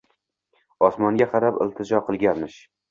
Osmonga qarab iltijo qilganmish.